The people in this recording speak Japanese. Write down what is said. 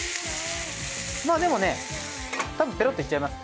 まあでもねたぶんペロッといっちゃいます。